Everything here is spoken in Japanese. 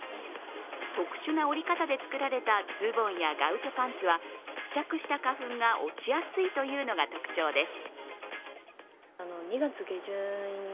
特殊な織り方で作られたズボンやガウチョパンツは付着した花粉が落ちやすいというのが特徴です。